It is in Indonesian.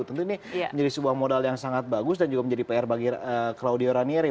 tentu ini menjadi sebuah modal yang sangat bagus dan juga menjadi pr bagi claudio ranieri